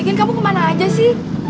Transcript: mungkin kamu kemana aja sih